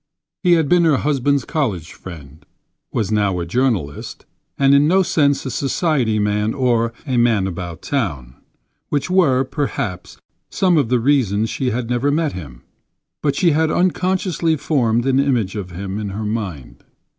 He had been her husband's college friend; was now a journalist, and in no sense a society man or "a man about town," which were, perhaps, some of the reasons she had never met him. But she had unconsciously formed an image of him in her mind.